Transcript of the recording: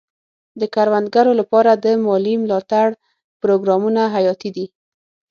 د کروندګرو لپاره د مالي ملاتړ پروګرامونه حیاتي دي.